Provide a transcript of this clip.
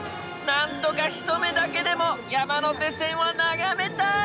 なんとか一目だけでも山手線を眺めたい！